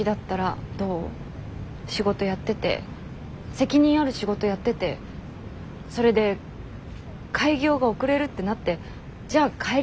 仕事やってて責任ある仕事やっててそれで開業が遅れるってなってじゃあ帰りますって言える？